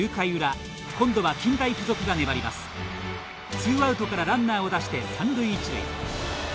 ツーアウトからランナーを出して三塁一塁。